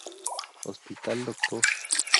Hospital Dr.